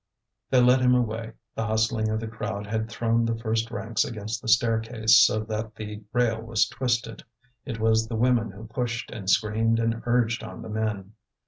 They led him away; the hustling of the crowd had thrown the first ranks against the staircase so that the rail was twisted. It was the women who pushed and screamed and urged on the men.